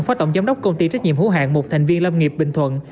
phó tổng giám đốc công ty trách nhiệm hữu hạng một thành viên lâm nghiệp bình thuận